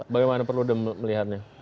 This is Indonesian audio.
bagaimana perlu melihatnya